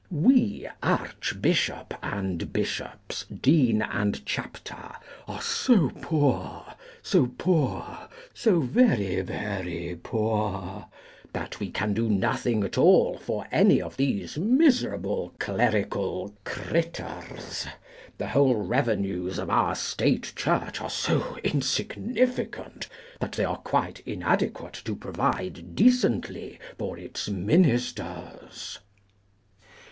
We archbishop and bishops, dean and chapter, are so poor, so poor, so very very poor, that we can do nothing at all for any of these miserable clerical critters; the whole revenues of our State Church are so insignificant that they are quite inadequate to provide decently for its ministers!